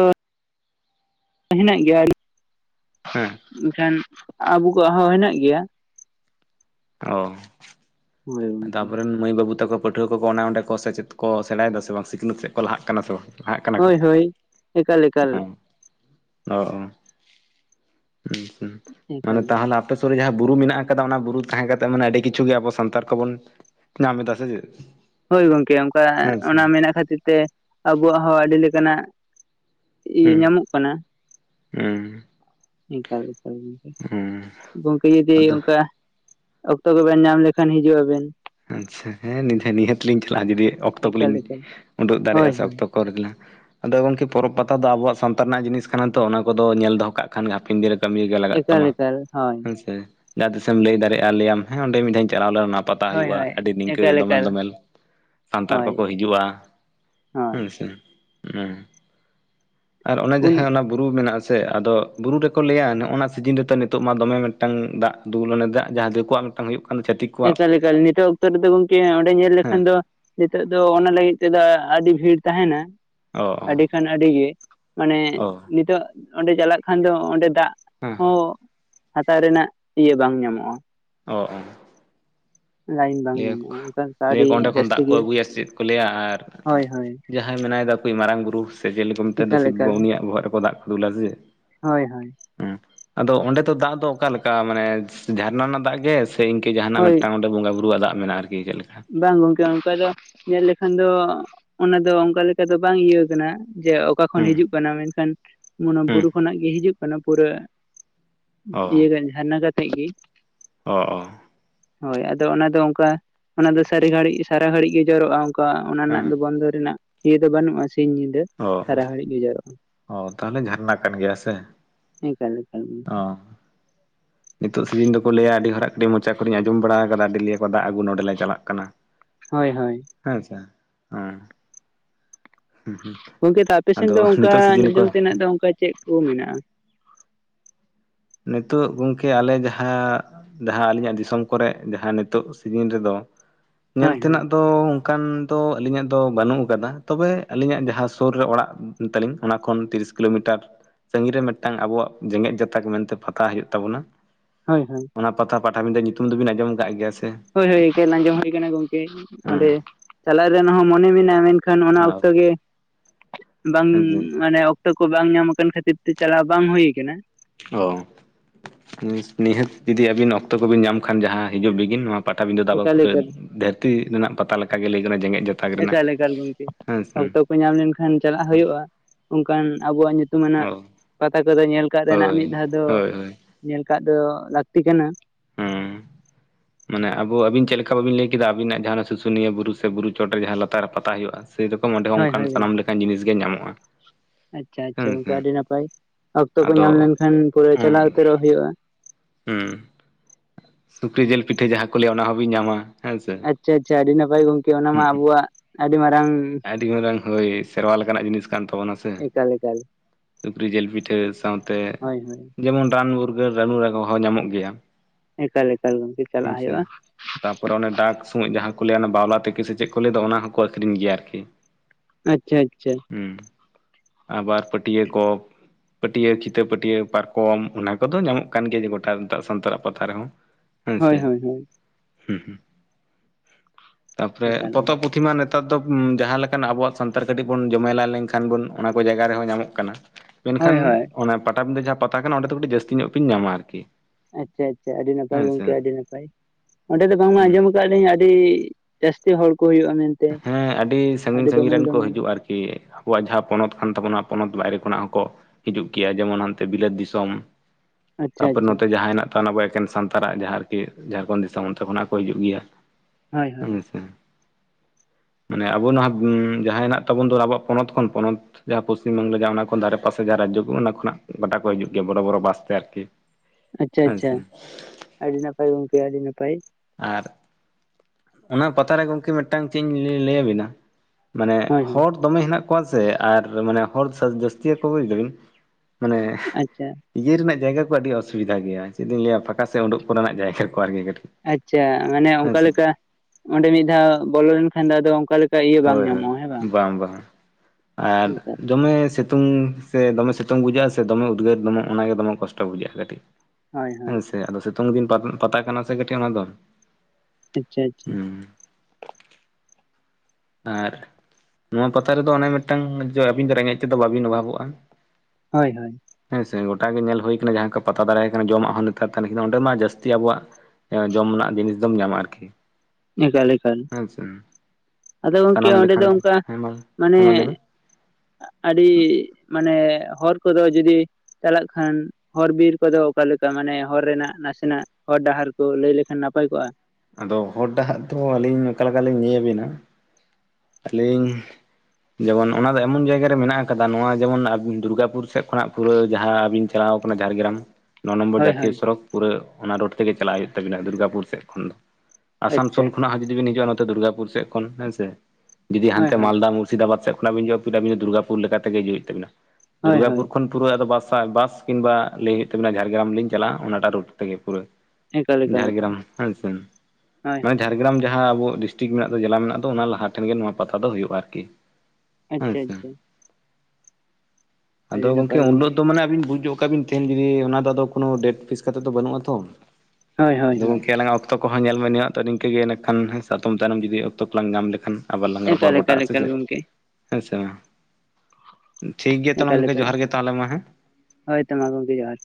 [SPEAKER 2] ᱦᱮᱱᱟᱜ ᱜᱮᱭᱟ᱾
[SPEAKER 1] ᱦᱮᱸ
[SPEAKER 2] ᱮᱱᱠᱷᱟᱱ ᱟᱵᱚ ᱠᱚᱣᱟᱜ ᱦᱚᱸ ᱦᱮᱱᱟᱜ ᱜᱮᱭᱟ᱾
[SPEAKER 1] ᱚ
[SPEAKER 2] ᱦᱳᱭ ᱜᱚᱝᱠᱮ
[SPEAKER 1] ᱛᱟᱯᱚᱨᱮᱱ ᱢᱟᱹᱭ ᱵᱟᱹᱵᱩ ᱛᱟᱠᱚ ᱯᱟᱹᱴᱷᱩᱣᱟᱹ ᱠᱚ ᱚᱱᱟ ᱚᱸᱰᱮ ᱥᱮᱪᱮᱫ ᱠᱚ ᱥᱮᱬᱟᱭᱮᱫᱟ ᱥᱮ ᱵᱟᱝ ᱥᱤᱠᱷᱱᱟᱹᱛ ᱥᱮᱫ ᱠᱚ ᱞᱟᱦᱟᱜ ᱠᱟᱱᱟ ᱥᱮ ᱵᱟᱝ? ᱞᱟᱦᱟᱜ ᱠᱟᱱᱟ ᱠᱚ
[SPEAKER 2] ᱦᱳᱭ ᱦᱳᱭ, ᱮᱠᱟᱞ ᱮᱠᱟᱞ,
[SPEAKER 1] ᱦᱮᱸ [unintelligible] ᱢᱟᱱᱮ
[SPEAKER 2] ᱮᱠᱟᱞ
[SPEAKER 1] ᱛᱟᱦᱞᱮ ᱟᱛᱳ ᱥᱩᱨ ᱨᱮ ᱡᱟᱦᱟᱸ ᱵᱩᱨᱩ ᱢᱮᱱᱟᱜ ᱠᱟᱫᱟ ᱚᱱᱟ ᱵᱩᱨᱩ ᱛᱟᱦᱮᱸ ᱠᱟᱛᱮ ᱢᱟᱱᱮ ᱟᱹᱰᱤ ᱠᱤᱪᱷᱩ ᱜᱮ ᱟᱵᱚ ᱥᱟᱱᱛᱟᱲ ᱠᱚᱵᱚᱱ ᱧᱟᱢ ᱮᱫᱟ ᱥᱮ ᱪᱮᱫ?
[SPEAKER 2] ᱦᱳᱭ ᱜᱚᱝᱠᱮ ᱚᱱᱠᱟ
[SPEAKER 1] ᱦᱮᱸ ᱥᱮ
[SPEAKER 2] ᱚᱱᱟ ᱢᱮᱱᱟᱜ ᱠᱷᱟᱹᱛᱤᱨ ᱛᱮ ᱟᱵᱚᱣᱟᱜ ᱦᱚᱸ ᱟᱹᱰᱤ ᱞᱮᱠᱟᱱᱟᱜ, ᱤᱭᱟᱹ ᱧᱟᱢᱚᱜ ᱠᱟᱱᱟ᱾
[SPEAKER 1] ᱦᱮᱸ
[SPEAKER 2] ᱜᱚᱝᱠᱮ ᱡᱩᱫᱤ
[SPEAKER 1] ᱟᱫᱚ
[SPEAKER 2] ᱚᱝᱠᱟ, ᱚᱠᱛᱚ ᱠᱚᱵᱮᱱ ᱧᱟᱢ ᱞᱮᱠᱷᱟᱱ ᱦᱤᱡᱩᱜ ᱟᱵᱤᱱ?
[SPEAKER 1] ᱟᱪᱪᱷᱟ ᱦᱮᱸ ᱱᱤᱦᱟᱹᱛ ᱞᱤᱧ ᱪᱟᱞᱟᱜᱼᱟ, ᱡᱩᱫᱤ ᱚᱠᱛᱚ
[SPEAKER 2] ᱮᱠᱟᱞ
[SPEAKER 1] ᱠᱚᱞᱤᱧ
[SPEAKER 2] ᱮᱠᱟᱞ
[SPEAKER 1] ᱩᱰᱩᱜ ᱫᱟᱲᱮᱜᱼᱟ,
[SPEAKER 2] ᱦᱳᱭ
[SPEAKER 1] ᱥᱮ
[SPEAKER 2] ᱦᱳᱭ
[SPEAKER 1] ᱚᱠᱛᱚ ᱠᱚᱞ ᱜᱮᱞᱟ, ᱟᱫᱚ ᱜᱚᱝᱠᱮ ᱯᱚᱨᱚᱵᱽ ᱯᱟᱛᱟ ᱫᱚ ᱟᱵᱚᱣᱟ ᱥᱟᱱᱛᱟ ᱨᱮᱱᱟᱜ ᱡᱤᱱᱤᱥ ᱠᱟᱱᱟ ᱛᱚ ᱚᱱᱟ ᱠᱚᱫᱚ ᱧᱮᱞ ᱫᱚᱦᱚ ᱠᱷᱟᱜ ᱠᱷᱟᱱ ᱜᱮ ᱦᱟᱯᱤᱱ ᱫᱤᱱ ᱨᱮ ᱠᱟᱹᱢᱤ ᱜᱮ ᱞᱟᱜᱟᱜ
[SPEAKER 2] ᱮᱠᱟᱞ
[SPEAKER 1] ᱛᱟᱢᱟ,
[SPEAKER 2] ᱮᱠᱟᱞ ᱦᱳᱭ
[SPEAKER 1] ᱦᱮᱸᱥᱮ, ᱡᱟᱦᱟᱸ ᱛᱤᱥᱮᱢ ᱞᱟᱹᱭ ᱫᱟᱲᱮᱜᱼᱟ ᱞᱟᱹᱭᱟᱢ ᱦᱮᱸ ᱚᱸᱰᱮ ᱢᱤᱫ ᱫᱷᱟᱣᱩᱧ ᱪᱟᱞᱟᱣ ᱞᱮᱱᱟ ᱯᱟ ᱛᱟ
[SPEAKER 2] ᱦᱳᱭ
[SPEAKER 1] ᱦᱩᱭᱩᱜᱼᱟ
[SPEAKER 2] ᱦᱳᱭ
[SPEAKER 1] ᱟᱹᱰᱤ ᱱᱤᱝᱠᱟᱹ
[SPEAKER 2] ᱮᱠᱟᱞ
[SPEAKER 1] ᱫᱚᱢᱮᱞ
[SPEAKER 2] ᱮᱠᱟᱞ
[SPEAKER 1] ᱫᱚᱢᱮᱞ ᱥᱟᱱᱛᱟᱲ
[SPEAKER 2] ᱦᱳᱭ
[SPEAKER 1] ᱠᱚᱠᱚ ᱦᱤᱡᱩᱜᱼᱟ ᱾
[SPEAKER 2] ᱦᱳᱭ
[SPEAKER 1] ᱦᱮᱸ ᱥᱮ ᱦᱮᱸ ᱟᱨ ᱚᱱᱮ
[SPEAKER 2] ᱩᱱ
[SPEAKER 1] ᱡᱟᱦᱟᱸ ᱵᱩᱨᱩ ᱢᱮᱱᱟᱜ ᱟᱥᱮ ᱟᱫᱚ ᱵᱩᱨᱩ ᱨᱮᱠᱚ ᱞᱟᱹᱭᱟ, ᱱᱚᱜᱼᱱᱟ ᱥᱤᱡᱤᱱ ᱨᱮᱫᱚ ᱱᱤᱛᱚᱜ ᱢᱟ ᱫᱚᱢᱮ ᱢᱤᱫᱴᱟᱝ ᱫᱟᱜ ᱫᱩᱞ ᱱᱮ ᱫ ᱡᱟᱦᱟᱸ ᱫᱮᱠᱚᱣᱟᱜ ᱢᱤᱫ ᱴᱟᱝ ᱦᱩᱭᱩᱜ ᱠᱟᱱᱟ, ᱪᱷᱟᱹᱛᱤᱠ ᱠᱚᱣᱟᱜ
[SPEAKER 2] ᱮᱠᱟᱞ ᱮᱠᱟᱞ ᱱᱤᱛᱚᱜ ᱚᱠᱛᱚ ᱨᱮᱫᱚ ᱜᱚᱝᱠᱮ ᱚᱸᱰᱮ ᱧᱮᱞ
[SPEAKER 1] ᱦᱮᱸ
[SPEAKER 2] ᱞᱮᱠᱷᱟᱱ ᱫᱚ, ᱱᱤᱛᱚᱜ ᱫᱚ ᱚᱱᱟ ᱞᱟᱹᱜᱤᱫ ᱛᱮᱫᱚ ᱟᱹᱰᱤ ᱵᱷᱤᱲ ᱛᱟᱦᱮᱱᱟ ᱾
[SPEAKER 1] ᱚ
[SPEAKER 2] ᱟᱹᱰᱤ ᱠᱷᱟᱱ ᱟᱹᱰᱤ ᱜᱮ, ᱢᱟᱱᱮ
[SPEAKER 1] ᱚ
[SPEAKER 2] ᱱᱤᱛᱳᱜ ᱚᱸᱰᱮ ᱪᱟᱞᱟᱜ ᱠᱷᱟᱱ ᱫᱚ ᱚᱸᱰᱮ ᱫᱟᱜ,
[SPEAKER 1] ᱦᱮᱸ
[SPEAKER 2] ᱦᱚᱸ ᱦᱟᱛᱟᱣ ᱨᱮᱱᱟᱜ ᱤᱭᱟᱹ ᱵᱟᱝ ᱧᱟᱢᱚᱜᱼᱟ ᱾
[SPEAKER 1] ᱚᱸᱻ
[SPEAKER 2] ᱞᱟᱭᱤᱱ ᱵᱟᱝ
[SPEAKER 1] ᱱᱤᱭᱟᱹ
[SPEAKER 2] ᱧᱟᱢᱚᱜᱼᱟ ᱚᱱᱠᱟ
[SPEAKER 1] ᱞᱟᱹᱭᱟᱹ ᱠᱚ
[SPEAKER 2] ᱠᱟᱹᱣᱰᱤ
[SPEAKER 1] ᱚᱸᱰᱮ ᱠᱷᱚᱱ
[SPEAKER 2] ᱡᱟᱹᱥᱛᱤ
[SPEAKER 1] ᱫᱟᱜ ᱠᱚ
[SPEAKER 2] ᱜᱮ
[SPEAKER 1] ᱟᱹᱜᱩᱭᱟ ᱪᱮᱫ ᱠᱚ ᱞᱟᱹᱭᱟ ᱟᱨ
[SPEAKER 2] ᱦᱳᱭ ᱦᱳᱭ
[SPEAKER 1] ᱡᱟᱦᱟᱸᱭ ᱢᱮᱱᱟᱭ ᱫᱟᱠᱚ ᱢᱟᱨᱟᱝ ᱵᱩᱨᱩ ᱥᱮ ᱪᱮᱞᱮ ᱠᱚ ᱢᱮᱛᱟᱭ
[SPEAKER 2] ᱮᱠᱟᱞ
[SPEAKER 1] ᱥᱚᱥᱤ ᱵᱟᱵᱟ
[SPEAKER 2] ᱮᱠᱟᱞ
[SPEAKER 1] ᱩᱱᱤᱭᱟᱜ ᱵᱚᱦᱚᱜ ᱨᱮᱠᱚ ᱫᱟᱜ ᱠᱚ ᱫᱩᱞᱟ ᱥᱮ ᱪᱮᱫ?
[SPEAKER 2] ᱦᱳᱭ ᱦᱳᱭ,
[SPEAKER 1] ᱦᱮᱸ ᱟᱫᱚ ᱚᱸᱰᱮ ᱫᱚ ᱫᱟᱜ ᱫᱚ ᱚᱠᱟ ᱞᱮᱠᱟ ᱢᱟᱱᱮ ᱡᱷᱟᱨᱱᱟ ᱨᱮᱱᱟᱜ ᱫᱟᱜ ᱜᱮ ᱥᱮ ᱤᱱᱠᱟᱹ ᱡᱟᱦᱟᱱᱟᱜ
[SPEAKER 2] ᱦᱳᱭ
[SPEAKER 1] ᱢᱤᱫᱴᱟᱝ ᱵᱚᱸᱜᱟ ᱵᱩᱨᱩ ᱣᱟᱜ ᱫᱟᱜ ᱢᱮᱱᱟᱜᱼᱟ, ᱟᱨᱠᱤ ᱪᱮᱫ ᱞᱮᱠᱟ?
[SPEAKER 2] ᱵᱟᱝ ᱜᱚᱝᱠᱮ ᱚᱱᱠᱟ ᱫᱚ ᱧᱮᱞ ᱞᱮᱠᱷᱟᱱ ᱫᱚ ᱚᱱᱟ ᱫᱚ ᱚᱱᱠᱟ ᱞᱮᱠᱟ ᱫᱚ ᱵᱟᱝ ᱤᱭᱟᱹ ᱠᱟᱱᱟ ᱾ ᱡᱮ ᱚᱠᱟ ᱠᱷᱚᱱ
[SPEAKER 1] ᱦᱩᱸ
[SPEAKER 2] ᱦᱤᱡᱩᱜ ᱠᱟᱱᱟ ᱢᱮᱱᱠᱷᱟᱱ,
[SPEAKER 1] ᱦᱩᱸ
[SPEAKER 2] ᱵᱩᱨᱩ ᱠᱷᱚᱱᱟᱜ ᱜᱮ ᱦᱤᱡᱩᱜ ᱠᱟᱱᱟ ᱯᱩᱨᱟᱹ ᱤᱭᱟᱹ ᱡᱷᱟᱨᱱᱟ ᱠᱟᱛᱮᱫ ᱜᱮ
[SPEAKER 1] ᱚ-ᱚ
[SPEAKER 2] ᱦᱳᱭ ᱟᱫᱚ ᱚᱱᱟ ᱫᱚ ᱚᱱᱠᱟ ᱚᱱᱟ ᱫᱚ ᱥᱟᱹᱨᱤ ᱜᱷᱟᱹᱲᱤᱡ ᱥᱟᱨᱟ ᱜᱷᱟᱹᱲᱤᱡ ᱜᱮ ᱡᱚᱨᱚᱜᱼᱟ ᱚᱠᱟ ᱚᱱᱟ ᱨᱮᱱᱟᱜ
[SPEAKER 1] ᱦᱮᱸ
[SPEAKER 2] ᱫᱚ ᱵᱚᱱᱫᱚ ᱨᱮᱱᱟᱜ ᱤᱭᱟᱹ ᱫᱚ ᱵᱟᱹᱱᱩᱜᱼᱟ ᱥᱤᱧ ᱧᱤᱫᱟᱹ
[SPEAKER 1] ᱚ
[SPEAKER 2] ᱥᱟᱨᱟ ᱜᱷᱟᱹᱲᱤᱡ ᱜᱮ ᱡᱟᱨᱚᱜᱼᱟ
[SPEAKER 1] ᱚ ᱛᱟᱦᱚᱞᱮ ᱡᱷᱟᱨᱱᱟ ᱠᱟᱱ ᱜᱮᱭᱟ ᱥᱮ
[SPEAKER 2] ᱮᱠᱟᱞ ᱮᱠᱟᱞ
[SPEAKER 1] ᱚ ᱱᱤᱛᱳᱜ ᱥᱤᱡᱤᱱ ᱫᱚᱠᱚ ᱞᱟᱹᱭᱟ ᱟᱹᱰᱤ ᱦᱚᱲᱟᱜ ᱠᱟᱹᱴᱤᱡ ᱢᱚᱪᱟ ᱠᱚᱨᱮᱧ ᱟᱸᱡᱚᱢ ᱵᱟᱲᱟ ᱠᱟᱫᱟ [unintelligible] ᱫᱟᱜ ᱟᱹᱜᱩ ᱱᱚᱸᱰᱮᱞᱮ ᱪᱟᱞᱟᱜ ᱠᱟᱱᱟ
[SPEAKER 2] ᱦᱳᱭ ᱦᱳᱭ
[SPEAKER 1] ᱦᱮᱸᱪᱮ ᱚ
[SPEAKER 2] ᱜᱚᱝᱠᱮ ᱛᱚ ᱟᱯᱮᱥᱮᱱ ᱫᱚ
[SPEAKER 1] ᱟᱫᱚ
[SPEAKER 2] ᱚᱱᱠᱟ
[SPEAKER 1] ᱱᱤᱛᱚᱜ ᱥᱤᱡᱤᱱ ᱠᱚ
[SPEAKER 2] ᱧᱮᱞᱡᱚᱝ ᱛᱮᱱᱟᱜ ᱫᱚ ᱚᱱᱠᱟ ᱪᱮᱫ ᱠᱚ ᱢᱮᱱᱟᱜᱼᱟ?
[SPEAKER 1] ᱱᱤᱛᱳᱜ ᱜᱚᱝᱠᱮ ᱟᱞᱮ ᱡᱟᱦᱟᱸ ᱡᱟᱦᱟᱸ ᱟᱹᱞᱤᱧᱟᱜ ᱫᱤᱥᱚᱢ ᱠᱚᱨᱮ ᱡᱟᱦᱟᱸ ᱱᱤᱛᱚᱜ ᱥᱤᱡᱤᱱ ᱨᱮᱫᱚ ᱧᱮᱞ
[SPEAKER 2] ᱦᱳᱭ ᱦᱳᱭ
[SPEAKER 1] ᱛᱮᱱᱟᱜ ᱫᱚ ᱫᱚ ᱚᱱᱠᱟᱱ ᱫᱚ ᱟᱹᱞᱤᱧᱟᱜ ᱫᱚ ᱵᱟᱹᱱᱩᱜ ᱟᱠᱟᱫᱟ ᱛᱚᱵᱮ ᱟᱹᱞᱤᱧᱟᱜ ᱡᱟᱦᱟᱸ ᱥᱩᱨ ᱨᱮ ᱚᱲᱟᱜ ᱛᱟᱹᱞᱤᱧ ᱚᱱᱟ ᱠᱷᱚᱱ ᱛᱤᱨᱤᱥ ᱠᱤᱞᱳᱢᱤᱴᱟᱨ ᱥᱟᱺᱜᱤᱧ ᱨᱮ ᱢᱤᱫᱴᱟᱝ ᱟᱵᱚᱣᱟᱜ ᱡᱜᱮᱛ ᱡᱟᱛᱟᱠ ᱢᱮᱱᱛᱮ ᱛᱮ ᱯᱷᱟᱛᱟ ᱦᱩᱭᱩᱜ ᱛᱟᱵᱚᱱᱟ
[SPEAKER 2] ᱦᱳᱭ ᱦᱳᱭ
[SPEAKER 1] ᱚᱱᱟ ᱯᱟᱛᱷᱟ ᱯᱟᱴᱟ ᱵᱤᱸᱫᱷᱟᱹ ᱧᱩᱛᱩᱢ ᱫᱚᱵᱤᱱ ᱟᱸᱡᱚᱢ ᱟᱠᱟᱜ ᱜᱮᱭᱟ ᱥᱮ
[SPEAKER 2] ᱦᱳᱭ ᱦᱳᱭ ᱟᱸᱡᱚᱢ ᱦᱩᱭᱩ ᱟᱠᱟᱱᱟ ᱜᱚᱝᱠᱮ
[SPEAKER 1] ᱦᱮᱸ
[SPEAKER 2] ᱚᱸᱰᱮ ᱪᱟᱞᱟᱜ ᱨᱮᱱᱟᱜ ᱦᱚᱸ ᱢᱚᱱᱮ ᱢᱮᱱᱟᱜᱼᱟ ᱢᱮᱱ ᱠᱷᱟᱱ
[SPEAKER 1] ᱚ
[SPEAKER 2] ᱚᱱᱟ ᱚᱠᱛᱚ ᱜᱮ ᱵᱟᱝ
[SPEAKER 1] ᱟᱪᱪᱷᱟ
[SPEAKER 2] ᱢᱟᱱᱮ ᱚᱛᱚ ᱠᱚ ᱵᱟᱝ ᱧᱟᱢ ᱟᱠᱟᱱ ᱠᱷᱟᱹᱛᱤᱨ ᱛᱮ ᱪᱟᱞᱟᱣ ᱵᱟᱝ ᱦᱩᱭᱩ ᱟᱠᱟᱱᱟ
[SPEAKER 1] ᱚ ᱱᱤᱦᱟᱹᱛ ᱡᱩᱫᱤ ᱟᱹᱵᱤᱱ ᱚᱠᱛᱚ ᱠᱚᱵᱤᱱ ᱧᱟᱢ ᱠᱷᱟᱱ ᱡᱟᱦᱟᱸ ᱦᱤᱡᱩᱜ ᱵᱤᱜᱤᱱ ᱱᱚᱣᱟ ᱠᱚ ᱯᱟᱴᱟᱵᱤᱱᱫᱟᱹ ᱫᱟᱵᱟ
[SPEAKER 2] ᱮᱠᱟᱞ
[SPEAKER 1] ᱯᱩᱨᱟᱹ
[SPEAKER 2] ᱮᱠᱟᱞ
[SPEAKER 1] ᱫᱷᱟᱹᱨᱛᱤ ᱨᱮᱱᱟᱜ ᱯᱟᱛᱟ ᱞᱮᱠᱟᱜᱮ ᱞᱟᱹᱭ ᱠᱟᱱᱟ ᱡᱮᱜᱮᱛ ᱡᱟᱛᱟᱠ ᱨᱮᱱᱟᱜ
[SPEAKER 2] ᱮᱠᱟᱞ ᱮᱠᱟᱞ
[SPEAKER 1] ᱦᱮᱸ ᱥᱮ
[SPEAKER 2] ᱚᱠᱛᱚ ᱠᱚ ᱧᱟᱢ ᱞᱮᱱᱠᱷᱟᱱ ᱪᱟᱞᱟᱜ ᱦᱩᱭᱩᱜᱼᱟ ᱚᱱᱠᱟᱱ ᱟᱵᱚᱣᱟᱜ ᱧᱩᱛᱩᱢ ᱧᱩᱛᱩᱢᱟᱱᱟᱜ
[SPEAKER 1] ᱚ
[SPEAKER 2] ᱯᱟᱛᱟ ᱠᱚᱫᱚ ᱧᱮᱞ ᱠᱟᱜ ᱨᱮᱱᱟᱜ
[SPEAKER 1] ᱦᱳᱭ
[SPEAKER 2] ᱢᱤᱫ ᱫᱷᱟᱣ ᱫᱚ
[SPEAKER 1] ᱦᱳᱭ ᱦᱳᱭ
[SPEAKER 2] ᱧᱮᱞ ᱠᱟᱜ ᱫᱚ ᱞᱟᱹᱠᱛᱤ ᱠᱟᱱᱟ
[SPEAKER 1] ᱦᱮᱸ
[SPEAKER 2] [inaudible]
[SPEAKER 1] ᱢᱟᱱᱮ ᱟᱵᱚ ᱟᱵᱤᱱ ᱪᱮᱫ ᱞᱮᱠᱟ ᱵᱟᱹᱵᱤᱱ ᱞᱟᱹᱭ ᱠᱮᱫᱟ ᱟᱵᱤᱱᱟᱜ ᱡᱟᱦᱟᱸ ᱥᱩᱥᱩᱱᱤᱭᱟᱹ ᱵᱩᱨᱩ ᱥᱮ ᱵᱩᱨᱩ ᱪᱚᱴᱨᱮ ᱡᱟᱦᱟᱸ ᱞᱟᱛᱟᱨ ᱨᱮ ᱯᱟᱛᱟ ᱦᱩᱭᱩᱜᱼᱟ ᱥᱮᱨᱚᱠᱚᱢ ᱚᱸᱰᱮ ᱦᱚᱸ
[SPEAKER 2] ᱦᱳᱭ
[SPEAKER 1] ᱚᱱᱠᱟᱱ
[SPEAKER 2] ᱦᱳᱭ
[SPEAKER 1] ᱥᱟᱱᱟᱢ
[SPEAKER 2] ᱜᱚᱝᱠᱮ
[SPEAKER 1] ᱞᱮᱠᱟᱱ ᱡᱤᱱᱤᱥ ᱜᱮ ᱧᱟᱢᱚᱜᱼᱟ
[SPEAKER 2] ᱟᱪᱪᱷᱟ ᱟᱪᱪᱷᱟ
[SPEAKER 1] ᱦᱮᱸ
[SPEAKER 2] ᱜᱚᱝᱠᱮ
[SPEAKER 1] ᱥᱮ
[SPEAKER 2] ᱟᱹᱰᱤ ᱱᱟᱯᱟᱭ ᱾ ᱚᱠᱛᱚ ᱠᱚ
[SPEAKER 1] ᱟᱫᱚ
[SPEAKER 2] ᱧᱟᱢ ᱞᱮᱱ ᱠᱷᱟᱱ ᱯᱩᱨᱟᱹ
[SPEAKER 1] ᱦᱩᱸ
[SPEAKER 2] ᱪᱟᱞᱟᱣ ᱩᱛᱟᱹᱨᱚᱜ ᱦᱩᱭᱩᱜᱼᱟ ᱾
[SPEAKER 1] ᱦᱩᱸ ᱾ ᱥᱩᱠᱨᱤ ᱡᱤᱞ ᱯᱤᱴᱷᱟᱹ ᱡᱟᱦᱟᱸ ᱠᱚ ᱞᱟᱹᱭᱟ ᱚᱱᱟ ᱦᱚᱸᱵᱤᱱ ᱧᱟᱢᱟ ᱾
[SPEAKER 2] ᱟᱪᱪᱷᱟ ᱟᱪᱪᱷᱟ ᱟᱹᱰᱤ ᱱᱟᱯᱟᱭ ᱜᱚᱝᱠᱮ ᱾ ᱚᱱᱟ
[SPEAKER 1] ᱦᱩᱸ
[SPEAKER 2] ᱢᱟ
[SPEAKER 1] ᱦᱩᱸ
[SPEAKER 2] ᱟᱵᱚᱣᱟᱜ ᱟᱹᱰᱤ ᱢᱟᱨᱟᱝ
[SPEAKER 1] ᱟᱹᱰᱤ ᱢᱟᱨᱟᱝ ᱦᱳᱭ ᱥᱮᱨᱣᱟ ᱞᱮᱠᱟᱱᱟᱜ ᱡᱤᱱᱤᱥ ᱠᱟᱱ ᱛᱟᱵᱚᱱᱟ ᱾
[SPEAKER 2] ᱮᱠᱟᱞ ᱮᱠᱟᱞ
[SPEAKER 1] ᱥᱩᱠᱨᱤ ᱡᱤᱞ ᱯᱤᱴᱷᱟᱹ ᱥᱟᱶᱛᱮ
[SPEAKER 2] ᱦᱳᱭ ᱦᱳᱭ
[SPEAKER 1] ᱡᱮᱢᱚᱱ ᱨᱟᱱ ᱢᱩᱨᱜᱟᱱ ᱨᱟᱹᱱᱩ ᱨᱟᱜ ᱦᱚᱸ ᱧᱟᱢᱚᱜ ᱜᱮᱭᱟ
[SPEAKER 2] ᱮᱠᱟᱞ ᱮᱠᱟᱞ ᱜᱚᱝᱠᱮ ᱪᱟᱞᱟᱜ
[SPEAKER 1] ᱦᱮᱸᱥᱮ
[SPEAKER 2] ᱦᱩᱭᱩᱜᱼᱟ ᱾
[SPEAKER 1] ᱛᱟᱯᱚᱨᱮ ᱚᱱᱮ ᱰᱟᱜᱽ ᱥᱚᱢᱩᱚᱭ ᱡᱟᱦᱟᱸ ᱠᱚ ᱞᱟᱹᱭᱟ ᱚᱱᱟ ᱵᱟᱣᱞᱟ ᱛᱤᱠᱤ ᱥᱮ ᱪᱮᱫ ᱠᱚ ᱞᱟᱹᱭᱫᱟ ᱚᱱᱟ ᱦᱚᱸᱠᱚ ᱟᱹᱷᱨᱤᱧ ᱜᱮᱭᱟ ᱟᱨᱠᱤ ᱾
[SPEAKER 2] ᱟᱪᱪᱷᱟ ᱟᱪᱪᱷᱟ ᱾
[SPEAKER 1] ᱦᱩᱸ ᱟᱵᱟᱨ ᱯᱟᱹᱴᱟᱹᱭᱟᱹ ᱠᱚ ᱯᱟᱹᱴᱭᱟᱹ ᱠᱷᱤᱛᱟᱹ ᱯᱟᱹᱴᱭᱟᱹ ᱯᱟᱨᱠᱚᱢ ᱚᱱᱟ ᱠᱚᱫᱚ ᱧᱟᱢᱚᱜ ᱠᱟᱱ ᱜᱮᱭᱟ ᱜᱳᱴᱟ ᱥᱟᱱᱛᱟᱲᱟᱜ ᱯᱟᱛᱟ ᱨᱮᱦᱚᱸ ᱾ ᱦᱮᱸ
[SPEAKER 2] ᱦᱳᱭ
[SPEAKER 1] ᱥᱮ
[SPEAKER 2] ᱦᱳᱭ ᱦᱳᱭ
[SPEAKER 1] ᱦᱮᱸ ᱦᱮᱸ ᱛᱟᱯᱚᱨᱮ
[SPEAKER 2] ᱮᱠᱟᱞ
[SPEAKER 1] ᱯᱚᱛᱚᱵ
[SPEAKER 2] ᱜᱚᱢᱠᱮ
[SPEAKER 1] ᱯᱩᱛᱷᱤ ᱮᱢᱟᱱ ᱾ ᱱᱮᱛᱟᱨ ᱫᱚ ᱡᱟᱦᱟᱸ ᱞᱮᱠᱟᱱ ᱟᱵᱚᱣᱟᱜ ᱥᱟᱱᱛᱟᱲ ᱠᱟᱹᱴᱤᱡ ᱵᱚᱱ ᱡᱚᱢᱮᱞᱟ ᱞᱮᱱ ᱠᱷᱟᱱ ᱵᱚᱱ ᱚᱱᱟ ᱠᱚ ᱡᱟᱭᱜᱟ ᱨᱮᱦᱚᱸ ᱧᱟᱢᱚᱜ ᱠᱟᱱᱟ ᱾ ᱢᱮᱱ
[SPEAKER 2] ᱦᱳᱭ
[SPEAKER 1] ᱠᱷᱟᱱ
[SPEAKER 2] ᱦᱳᱭ
[SPEAKER 1] ᱚᱱᱟ ᱯᱟᱴᱟᱵᱤᱸᱫᱟᱹ ᱡᱟᱦᱟᱸ ᱯᱟᱛᱟ ᱠᱟᱱᱟ ᱚᱸᱰᱮ ᱫᱚ ᱠᱟᱹᱴᱤᱡ ᱡᱟᱹᱥᱛᱤ ᱧᱚᱜ ᱵᱤᱱ ᱧᱟᱢᱟ ᱟᱨᱠᱤ ᱾
[SPEAKER 2] ᱟᱪᱪᱷᱟ ᱟᱪᱪᱷᱟ ᱟᱹᱰᱤ ᱱᱟᱯᱟᱭ ᱜᱚᱝᱠᱮ ᱾ ᱟᱹᱰᱤ ᱱᱟᱯᱟᱭ ᱚᱸᱰᱮ ᱫᱚ ᱵᱟᱝᱢᱟ
[SPEAKER 1] ᱦᱩᱸ
[SPEAKER 2] ᱟᱸᱡᱚᱢ- [unintelligible] ᱟᱹᱰᱤ ᱡᱟᱹᱥᱛᱤ ᱦᱚᱲ ᱠᱚ ᱦᱩᱭᱩᱜᱼᱟ ᱢᱮᱱᱛᱮ ᱾
[SPEAKER 1] ᱦᱮᱸ ᱟᱹᱰᱤ ᱥᱟᱺᱜᱤᱧ ᱥᱟᱺᱜᱤᱧ ᱨᱮᱱ ᱠᱚ ᱦᱤᱡᱩᱜᱼᱟ ᱟᱨᱠᱤ ᱾ ᱟᱵᱚᱣᱟᱜ ᱡᱟᱦᱟᱸ ᱯᱚᱱᱚᱛ ᱠᱟᱱ ᱛᱟᱵᱚᱱᱟ ᱯᱚᱱᱚᱛ ᱵᱟᱭᱨᱮ ᱠᱷᱚᱱᱟᱜ ᱦᱚᱸᱠᱚ ᱦᱤᱡᱩᱜ ᱜᱮᱭᱟ ᱡᱮᱢᱚᱱ ᱦᱟᱱᱛᱮ ᱵᱤᱞᱟᱹᱛ ᱫᱤᱥᱚᱢ ᱾
[SPEAKER 2] ᱟᱪᱪᱷᱟ
[SPEAKER 1] ᱛᱟᱯᱚᱨᱮ
[SPEAKER 2] ᱟᱪᱪᱷᱟ
[SPEAKER 1] ᱱᱚᱛᱮ ᱡᱟᱦᱟᱸ ᱦᱮᱱᱟᱜ ᱛᱟᱵᱚ ᱮᱠᱷᱮᱱ ᱥᱟᱱᱛᱟᱲᱟᱜ ᱡᱟᱦᱟᱸ ᱟᱨᱠᱤ ᱡᱷᱟᱲᱠᱷᱚᱸᱱ ᱫᱤᱥᱚᱢ ᱚᱱᱛᱮ ᱠᱷᱚᱱᱟᱜ ᱠᱚ ᱦᱤᱡᱩᱜ ᱜᱮᱭᱟ ᱾
[SPEAKER 2] ᱦᱳᱭ ᱦᱳᱭ ᱾
[SPEAKER 1] ᱢᱟᱱᱮ ᱟᱵᱚ ᱱᱚᱣᱟ ᱡᱟᱦᱟᱸ ᱦᱮᱱᱟᱜ ᱛᱟᱵᱚᱱ ᱫᱚ ᱟᱵᱚᱣᱟᱜ ᱯᱚᱱᱚᱛ ᱠᱷᱚᱱ ᱯᱚᱱᱚᱛ ᱡᱟᱦᱟᱸ ᱯᱚᱥᱪᱤᱢ ᱵᱟᱝᱞᱟ ᱡᱟᱦᱟᱸ ᱚᱱᱟ ᱠᱷᱚᱱ ᱫᱷᱟᱨᱮ ᱯᱟᱥᱮ ᱡᱟᱦᱟᱸ ᱨᱟᱡᱽᱡᱚ ᱠᱚ ᱚᱱᱟ ᱠᱷᱚᱱᱟᱜ ᱜᱟᱰᱟ ᱠᱚ ᱦᱤᱡᱩᱜ ᱜᱮᱭᱟ ᱵᱚᱨᱚ ᱵᱚᱨᱚ ᱵᱟᱥ ᱛᱮ ᱟᱨᱠᱤ ᱾
[SPEAKER 2] ᱟᱪᱪᱷᱟ ᱟᱪᱪᱷᱟ ᱾ ᱟᱹᱰᱤ ᱱᱟᱯᱟᱭ ᱜᱚᱝᱠᱮ ᱟᱹᱰᱤ ᱱᱟᱯᱟᱭ ᱾
[SPEAKER 1] ᱟᱨ ᱚᱱᱟ ᱯᱟᱛᱟ ᱨᱮ ᱜᱚᱝᱠᱮ ᱢᱤᱫᱴᱟᱝ ᱪᱮᱫ ᱤᱧ ᱞᱟᱹᱭᱟᱵᱤᱱᱟ ᱢᱟᱱᱮ
[SPEAKER 2] ᱦᱳᱭ ᱦᱳᱭ
[SPEAKER 1] ᱦᱚᱲ ᱫᱚᱢᱮ ᱦᱮᱱᱟᱜ ᱠᱚᱣᱟ ᱥᱮ ᱟᱨ ᱢᱟᱱᱮ ᱦᱚᱲ ᱡᱟᱹᱥᱛᱤᱭᱟᱠᱚ ᱵᱟᱹᱵᱤᱱ, ᱢᱟᱱᱮ
[SPEAKER 2] ᱟᱪᱪᱷᱟ
[SPEAKER 1] ᱤᱭᱟᱹ ᱨᱮᱱᱟᱜ ᱡᱟᱭᱜᱟ ᱠᱚ ᱟᱹᱰᱤ ᱚᱥᱩᱵᱤᱫᱟ ᱜᱮᱭᱟ, ᱪᱮᱫ ᱤᱧ ᱞᱟᱹᱭᱟ ᱯᱷᱟᱸᱠᱟ ᱥᱮ ᱩᱰᱩᱠ ᱠᱚ ᱱᱟᱜ ᱡᱟᱭᱜᱟ ᱠᱚ ᱟᱨᱠᱤ ᱠᱟᱹᱴᱤᱡ ᱾
[SPEAKER 2] ᱟᱪᱪᱷᱟ, ᱢᱟᱱᱮ ᱚᱱᱠᱟ ᱞᱮᱠᱟ ᱚᱸᱰᱮ ᱢᱤᱫ ᱫᱷᱟᱣ ᱵᱚᱞᱚ ᱞᱮᱱ ᱠᱷᱟᱱ ᱫᱚ ᱟᱫᱚ ᱚᱱᱠᱟ ᱞᱮᱠᱟ ᱠᱟ ᱤᱭᱟᱹ ᱵᱟᱝ
[SPEAKER 1] ᱦᱳᱭ ᱦᱳᱭ
[SPEAKER 2] ᱧᱟᱢᱚᱜᱼᱟ ᱦᱮᱸ ᱵᱟᱝ ᱾
[SPEAKER 1] ᱵᱟᱝ ᱵᱟᱝ ᱟᱨ ᱫᱚᱢᱮ ᱥᱤ ᱛᱩᱝ ᱥᱮ ᱫᱚᱢᱮ ᱥᱤᱛᱩᱝ ᱵᱩᱡᱷᱟᱹᱜᱼᱟ ᱥᱮ ᱫᱚᱢᱮ ᱩᱫᱽᱜᱟᱹᱨ ᱫᱚᱢᱮ ᱚᱱᱥ ᱜᱮ ᱫᱚᱢᱮ ᱠᱚᱥᱴᱚ ᱵᱩᱡᱷᱟᱹᱜᱼᱟ ᱠᱟᱹᱴᱤᱡ ᱾
[SPEAKER 2] ᱦᱳᱭ ᱦᱳᱭ ᱾
[SPEAKER 1] ᱟᱫᱚ ᱥᱤᱛᱩᱝ ᱫᱤᱱ ᱯᱟᱛᱟ ᱠᱟᱱᱟ ᱥᱮ ᱠᱟᱹᱴᱤᱡ ᱚᱱᱟ ᱫᱚ ᱾
[SPEAKER 2] ᱟᱪᱪᱷᱟ ᱟᱪᱪᱷᱟ ᱾
[SPEAKER 1] ᱟᱨ ᱱᱚᱣᱟ ᱯᱟᱛᱟ ᱨᱮᱫᱚ ᱚᱱᱮ ᱢᱤᱫᱴᱟᱝ ᱟᱹᱵᱤᱱ ᱫᱚ ᱨᱮᱸᱜᱮᱡ ᱛᱮᱫᱚ ᱵᱟᱵᱤᱱ ᱚᱵᱷᱟᱵᱚᱜᱼᱟ᱾
[SPEAKER 2] ᱦᱳᱭ ᱦᱳᱭ ᱾
[SPEAKER 1] ᱦᱮᱸᱥᱮ ᱜᱚᱴᱟ ᱜᱮ ᱧᱮᱞ ᱦᱩᱭ ᱠᱟᱱᱟ, ᱡᱟᱦᱟᱸ ᱠᱚ ᱯᱟᱛᱟ ᱫᱟᱲᱮᱭᱟ ᱠᱟᱱᱟ ᱡᱚᱢᱟᱜ ᱦᱚᱸ ᱱᱮᱛᱟᱨ ᱛᱟᱦᱮᱸ ᱚᱸᱰᱮ ᱢᱟ ᱡᱟᱹᱥᱛᱤ ᱟᱵᱚᱣᱟᱜ ᱡᱚᱢ ᱨᱮᱱᱟᱜ ᱡᱤᱱᱤᱥ ᱫᱚᱢ ᱧᱟᱢᱟ ᱟᱨᱠᱤ ᱾
[SPEAKER 2] ᱮᱠᱟᱞ ᱮᱠᱟᱞ᱾ ᱟᱫᱚ ᱜᱚᱝᱠᱮ
[SPEAKER 1] ᱥᱟᱱᱟᱢ
[SPEAKER 2] ᱚᱸᱰᱮ ᱫᱚ
[SPEAKER 1] ᱞᱮᱠᱟᱱ
[SPEAKER 2] ᱚᱱᱠᱟ
[SPEAKER 1] ᱦᱮᱸ ᱢᱟ
[SPEAKER 2] ᱢᱟᱱᱮ
[SPEAKER 1] ᱦᱮᱸ ᱢᱟ ᱞᱟᱹᱭ ᱵᱮᱱ
[SPEAKER 2] ᱟᱹᱰᱤ ᱢᱟᱱᱮ ᱦᱚᱲ ᱠᱚᱫᱚ ᱡᱩᱫᱤ ᱪᱟᱞᱟᱜ ᱠᱷᱟᱱ ᱦᱚᱨ ᱵᱤᱨ ᱠᱚᱫᱚ ᱚᱠᱟ ᱞᱮᱠᱟ ᱢᱟᱱᱮ ᱦᱚᱨ ᱨᱮᱱᱟᱜ ᱱᱟᱥᱮᱱᱟᱜ ᱦᱚᱨ ᱰᱟᱦᱟᱨ ᱠᱚ ᱞᱟᱹᱭ ᱞᱮᱠᱷᱟᱱ ᱱᱟᱯᱟᱭ ᱠᱚᱜᱼᱟ?
[SPEAKER 1] ᱟᱫᱚ ᱦᱚᱨ ᱰᱟᱦᱟᱨ ᱫᱚ ᱟᱹᱞᱤᱧ ᱚᱠᱟ ᱞᱮᱠᱟ ᱞᱤᱧ ᱞᱟᱹᱭᱟᱹᱭᱟᱵᱤᱱᱟ᱾ ᱟᱹᱞᱤᱧ ᱡᱮᱢᱚᱱ ᱚᱱᱟ ᱫᱚ ᱮᱢᱚᱱ ᱡᱟᱭᱜᱟ ᱨᱮ ᱢᱮᱱᱟᱜ ᱟᱠᱟᱫᱟ ᱱᱚᱣᱟ ᱡᱮᱢᱚᱱ ᱫᱩᱨᱜᱟᱯᱩᱨ ᱥᱮᱫ ᱠᱷᱚᱱᱟᱜ ᱯᱩᱨᱟᱹ ᱡᱟᱦᱟᱸ ᱟᱹᱵᱤᱱ ᱪᱟᱞᱟᱣ ᱠᱟᱱᱟ ᱡᱷᱟᱲᱜᱨᱟᱢ ᱱᱚ ᱱᱚᱢᱵᱚᱨ
[SPEAKER 2] ᱦᱳᱭ
[SPEAKER 1] ᱡᱟᱛᱤᱭᱚ
[SPEAKER 2] ᱦᱳᱭ
[SPEAKER 1] ᱥᱚᱲᱚᱠ ᱯᱩᱨᱟᱹ ᱚᱱᱟ ᱨᱳᱰ ᱛᱮᱜᱮ ᱪᱟᱞᱟᱜ ᱦᱩᱭᱩᱜ ᱛᱟᱵᱤᱱᱟ ᱫᱩᱨᱜᱟᱯᱩᱨ ᱥᱮᱫ ᱠᱷᱚᱱ ᱫᱚ ᱾
[SPEAKER 2] ᱟᱪᱪᱷᱟ
[SPEAKER 1] ᱟᱥᱟᱱᱥᱳᱞ
[SPEAKER 2] ᱟᱪᱪᱷᱟ
[SPEAKER 1] ᱠᱷᱚᱱᱟᱜ ᱦᱚᱸ ᱡᱩᱫᱤ ᱵᱮᱱ ᱦᱤᱡᱩᱜᱼᱟ ᱱᱚᱛᱮ ᱫᱩᱨᱜᱟᱯᱩᱨ ᱥᱮᱫ ᱠᱷᱚᱱ ᱦᱮᱸᱥᱮ ᱾ ᱡᱩᱫᱤ
[SPEAKER 2] ᱦᱳᱭ
[SPEAKER 1] ᱦᱟᱱᱛᱮ
[SPEAKER 2] ᱦᱳᱭ
[SPEAKER 1] ᱢᱟᱞᱫᱟᱢᱩᱨᱥᱤᱫᱟᱵᱟᱫᱽ ᱥᱮᱫ ᱠᱷᱱᱟᱜ ᱵᱤᱱ ᱦᱤᱡᱼᱟ ᱯᱷᱤᱨ ᱟᱫᱚ ᱫᱩᱨᱜᱟᱯᱩᱨ ᱞᱮᱠᱟ ᱞᱮᱠᱟ ᱛᱮ ᱜᱮ ᱦᱤᱡᱩᱜ ᱦᱩᱭᱩᱜ ᱛᱵᱤᱱᱟ,
[SPEAKER 2] ᱦᱳᱭ ᱦᱳᱭ
[SPEAKER 1] ᱫᱩᱨᱜᱟᱯᱩᱨ ᱠᱷᱚᱱ ᱯᱩᱨᱟᱹ ᱟᱫᱚ ᱵᱟᱥ, ᱵᱟᱥ ᱠᱤᱢᱵᱟ ᱞᱟᱹᱭ ᱦᱩᱭᱩᱜ ᱛᱟᱵᱤᱱᱟ ᱡᱷᱟᱲᱜᱨᱟᱢ ᱞᱤᱧ ᱪᱟᱞᱟᱜᱼᱟ ᱚᱱᱟᱴᱟᱜ ᱨᱳᱴ ᱛᱮᱜᱮ ᱯᱩᱨᱟᱹ ᱾
[SPEAKER 2] ᱮᱠᱟᱞ ᱮᱠᱟᱞ ᱮᱠᱟᱞ
[SPEAKER 1] ᱡᱷᱟᱲᱜᱨᱟᱢ ᱦᱳᱭᱥᱮ
[SPEAKER 2] ᱦᱳᱭ
[SPEAKER 1] ᱢᱟᱱᱮ
[SPEAKER 2] ᱦᱳᱭ
[SPEAKER 1] ᱡᱷᱟᱲᱜᱨᱟᱢ ᱡᱟᱦᱟᱸ ᱟᱵᱚ ᱰᱤᱥ ᱴᱤᱠ ᱢᱮᱱᱟᱜ ᱫᱚ ᱡᱮᱞᱟ ᱫᱚ ᱚᱱᱟ ᱞᱟᱦᱟ ᱴᱷᱮᱱ ᱜᱮᱮ ᱯᱟᱛᱟ ᱫᱚ ᱦᱩᱭᱩᱜᱼᱟ ᱟᱨᱠᱤ᱾ ᱦᱮᱸ
[SPEAKER 2] ᱟᱪᱪᱷᱟ
[SPEAKER 1] ᱥᱮ
[SPEAKER 2] ᱪᱷᱟ᱾
[SPEAKER 1] ᱟᱫᱚ ᱜᱚᱢᱠᱮ ᱩᱱ ᱦᱤᱞᱳᱜ ᱫᱚ ᱢᱟᱱᱮ ᱟᱵᱤᱱ ᱵᱩᱡᱩᱜ ᱠᱟ ᱵᱤᱱ ᱛᱮᱦᱮᱱ ᱡᱩᱫᱤ ᱚᱱᱟ ᱫᱚ ᱠᱳ ᱰᱮᱴ ᱯᱷᱤᱥ ᱠᱟᱛᱮ ᱫᱚ ᱵᱟᱹᱱᱩᱜ ᱟ ᱛᱚ,
[SPEAKER 2] ᱦᱳᱭ ᱦᱳᱭ
[SPEAKER 1] ᱟᱫᱚ
[SPEAKER 2] ᱦᱳᱭ
[SPEAKER 1] ᱜᱚᱝᱠᱮ ᱟᱞᱟᱝᱟᱜ ᱚᱠᱛᱚ ᱚᱠᱛᱚ ᱠᱚᱦ ᱧᱮᱞ ᱢᱮᱱᱟᱱᱮᱭᱟ ᱛᱚ ᱱᱤᱝᱠ ᱜᱮ ᱤᱹᱠᱷᱟᱱᱮ ᱥᱟᱛᱚᱢ ᱛᱟᱭᱱᱚᱢ ᱡᱩᱫᱤ ᱚᱠᱛᱚ ᱠᱚᱞᱟᱝ ᱧᱟᱢ ᱞᱮᱠᱷᱟᱱ ᱟᱵᱟᱨ ᱞᱟᱝ ᱨᱚᱯᱚᱨ
[SPEAKER 2] ᱮᱠᱟᱞ ᱮᱠᱟᱞ
[SPEAKER 1] ᱜᱚᱴᱟᱼᱟ
[SPEAKER 2] ᱮᱠᱟᱞ
[SPEAKER 1] ᱥᱮᱪᱮᱫ?
[SPEAKER 2] ᱜᱚᱢᱠᱮ
[SPEAKER 1] ᱦᱳᱭᱥᱮ ᱢᱟ ᱴᱷᱤᱠ ᱜᱮᱭᱟ ᱛᱟᱦᱚᱞᱮ
[SPEAKER 2] ᱮᱠᱟᱞ
[SPEAKER 1] ᱜᱚᱝᱠᱮ
[SPEAKER 2] ᱮᱠᱟᱞ
[SPEAKER 1] ᱡᱚᱦᱟᱨ ᱜᱮ ᱛᱟᱦᱚᱞᱮ ᱢᱟ ᱦᱮᱸ᱾
[SPEAKER 2] ᱦᱳᱭ ᱛᱚ ᱢᱟ ᱜᱚᱢᱠᱮ ᱡᱚᱦᱟᱨ᱾